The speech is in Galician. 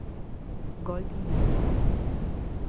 Goldi libre!